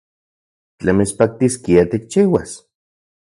¿Tlen mitspaktiskia tikchiuas?